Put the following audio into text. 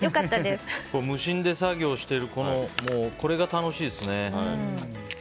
無心で作業してるこれが楽しいですね。